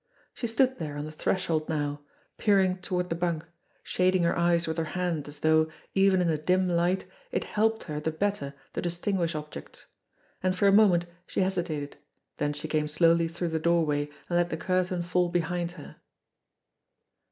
She stood there on the threshold now, peering toward the bunk, shading her eyes with her hand as though, even in the dim light, it helped her the better to distinguish objects. And for a moment she hesitated, then she came slowly through the doorway and let the curtain fall behind her.